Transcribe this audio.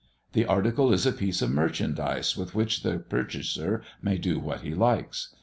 The article is a piece of merchandize with which the purchaser may do what he likes.